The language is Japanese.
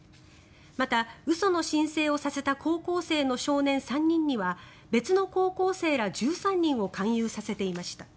また、嘘の申請をさせた高校生の少年３人には別の高校生ら１３人を勧誘させていました。